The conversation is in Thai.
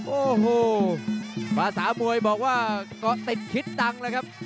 โอ้โหภาษามวยบอกว่าเกาะติดคิดดังเลยครับ